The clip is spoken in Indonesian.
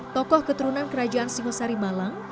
tokoh keturunan kerajaan singosari malang